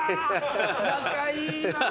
仲いいな。